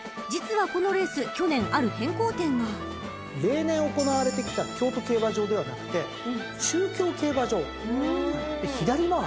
［実はこのレース去年ある変更点が］例年行われてきた京都競馬場ではなくて中京競馬場。